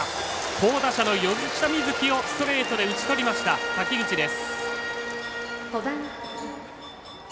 好打者の吉田瑞樹をストレートで打ち取りました滝口です。